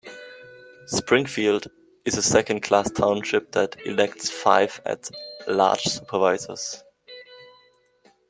Springfield is a second class township that elects five at-large Supervisors.